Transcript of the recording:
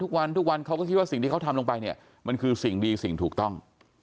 เขาก็คิดว่าสิ่งที่เขาทำลงไปมันคือสิ่งดีสิ่งถูกต้อง